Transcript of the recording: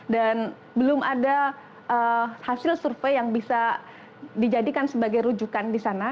dan belum ada hasil survei yang bisa dijadikan sebagai rujukan di sana